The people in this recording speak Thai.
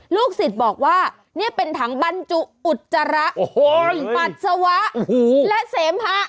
ลูกศิษย์บอกว่านี่เป็นถังบรรจุอุจจาระปัสสาวะและเสมหะ